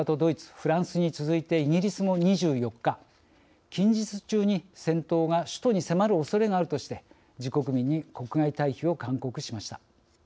フランスに続いてイギリスも２４日、近日中に戦闘が首都に迫るおそれがあるとして自国民に国外退避を勧告しました。